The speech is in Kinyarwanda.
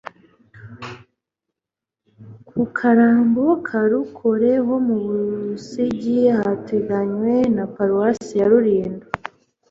ku Karambo ka Rukore ho mu Busigi hateganye na Paruwasi ya Rulindo